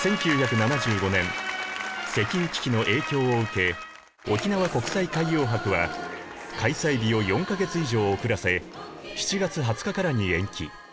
１９７５年石油危機の影響を受け沖縄国際海洋博は開催日を４か月以上遅らせ７月２０日からに延期。